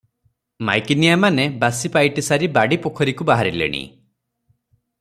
ମାଈକିନିଆମାନେ ବାସିପାଇଟିସାରି ବାଡ଼ି ପୋଖରୀକୁ ବାହାରିଲେଣି ।